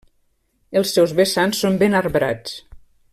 Els seus vessants són ben arbrats.